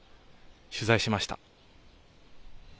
取材しました。